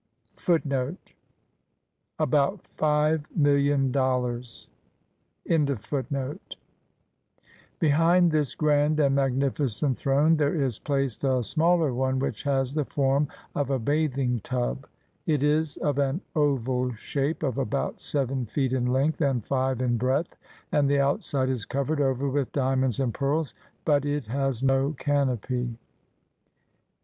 ^ Behind this grand and magnificent throne there is placed a smaller one, which has the form of a bathing tub. It is of an oval shape of about seven feet in length and five in breadth, and the outside is covered over with diamonds and pearls, but it has no canopy.